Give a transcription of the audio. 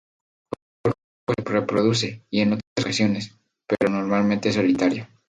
Forma grupos cuando se reproduce y en otras ocasiones, pero normalmente es solitaria.